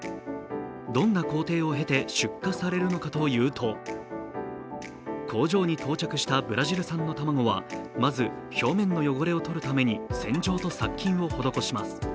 どんな工程を経て出荷されるのかというと、工場に到着したブラジル産の卵はまず表面の汚れをとるために洗浄と殺菌を施します。